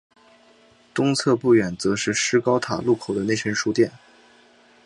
东侧不远则是施高塔路口的内山书店。